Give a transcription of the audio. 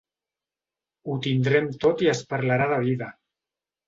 Ho tindrem tot i es parlarà de vida.